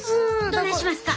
どないしますか？